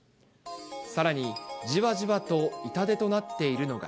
さらにじわじわと痛手となっているのが。